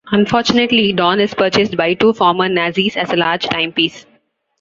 Unfortunately, Don is purchased by two former Nazis as a large timepiece.